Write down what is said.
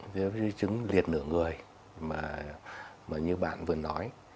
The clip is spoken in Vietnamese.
với di chứng liệt nửa người mà như bạn vừa nói